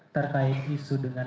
terkait isu dengan